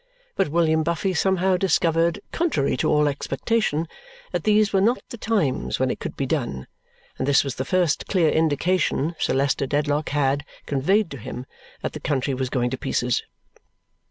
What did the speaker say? But William Buffy somehow discovered, contrary to all expectation, that these were not the times when it could be done, and this was the first clear indication Sir Leicester Dedlock had conveyed to him that the country was going to pieces.